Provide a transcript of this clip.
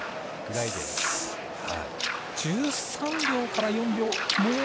１３秒から１４秒。